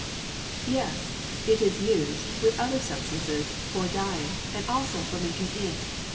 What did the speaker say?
"Yes, it is used, with other substances, for dyeing, and also for making ink.